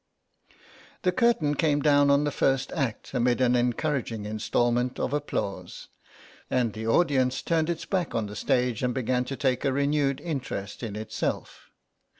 The curtain came down on the first act amid an encouraging instalment of applause, and the audience turned its back on the stage and began to take a renewed interest in itself.